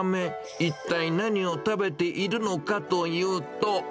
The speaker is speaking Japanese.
一体何を食べているのかというと。